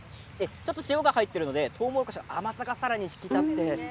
ちょっと塩が入っているのでとうもろこしの甘さが引き立って。